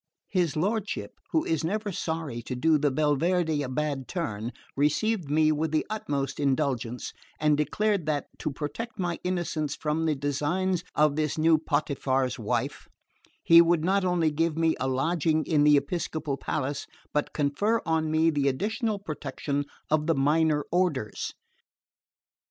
His lordship, who is never sorry to do the Belverde a bad turn, received me with the utmost indulgence, and declared that, to protect my innocence from the designs of this new Potiphar's wife, he would not only give me a lodging in the Episcopal palace, but confer on me the additional protection of the minor orders.